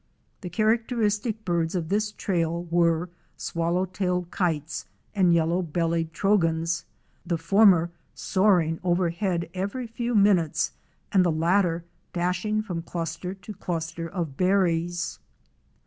The char acteristic birds of this trail were Swallow tailed Kites * and Yellow bellied Trogons," the former soaring overhead every few minutes and the latter dashing from cluster to cluster of berries.